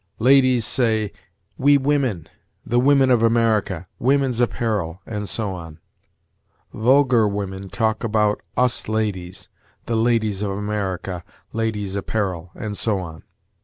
Ladies say, "we women, the women of America, women's apparel," and so on; vulgar women talk about "us ladies, the ladies of America, ladies' apparel," and so on.